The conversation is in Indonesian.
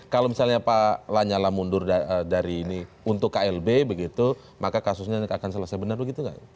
kalau misalnya pak nyala mundur untuk klb maka kasusnya akan selesai benar begitu nggak